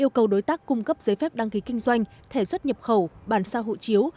yêu cầu đối tác cung cấp giấy phép đăng ký kinh doanh thẻ xuất nhập khẩu bàn sao hộ chiếu